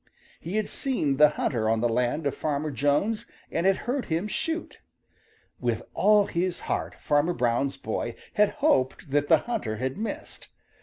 He had seen the hunter on the land of Farmer Jones and had heard him shoot. With all his heart Farmer Brown's boy had hoped that the hunter had missed.